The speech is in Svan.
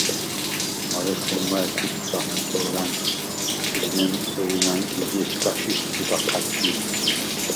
მარე შომვა̈ჲ ქუფს ლა̈ხშდორან, ეჯნემ ღინ ა̈ნკიდ ი ეჩქას შიშდ გუდ აჴად გიო.